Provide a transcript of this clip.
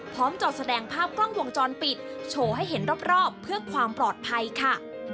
จอแสดงภาพกล้องวงจรปิดโชว์ให้เห็นรอบเพื่อความปลอดภัยค่ะ